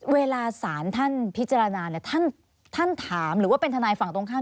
เวลาสารท่านพิจารณาท่านถามหรือว่าเป็นทนายฝั่งตรงข้าม